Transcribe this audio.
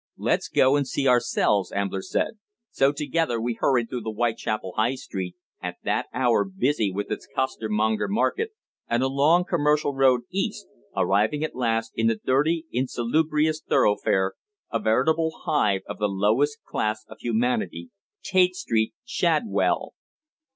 "Let's go and see ourselves," Ambler said: so together we hurried through the Whitechapel High Street, at that hour busy with its costermonger market, and along Commercial Road East, arriving at last in the dirty, insalubrious thoroughfare, a veritable hive of the lowest class of humanity, Tait Street, Shadwell.